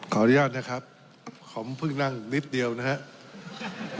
ขออนุญาตนะครับผมเพิ่งนั่งนิดเดียวนะครับ